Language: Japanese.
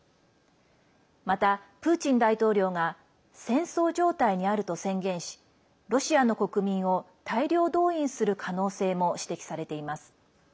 また、プーチン大統領が戦争状態にあると宣言しロシアの国民を大量動員する可能性も指摘されています。